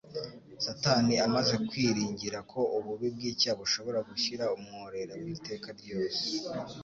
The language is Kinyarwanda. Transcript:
Satani amaze kwiringira ko ububi bw'icyaha bushobora gushyira umworera w'iteka ryose